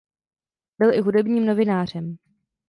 Byl i hudebním novinářem.